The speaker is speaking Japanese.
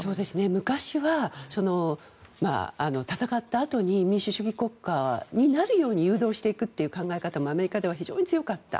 昔は、戦ったあとに民主主義国家になるように誘導していくという考え方もアメリカでは非常に強かった。